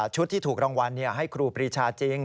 ที่ถูกรางวัลให้ครูปรีชาจริง